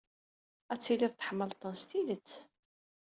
Ad tilid tḥemmled-ten s tidet.